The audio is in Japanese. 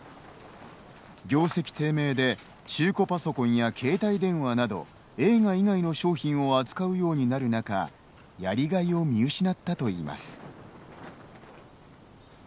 業績低迷で中古パソコンや携帯電話など、映画以外の商品を扱うようになる中やりがいを見失ったといいます。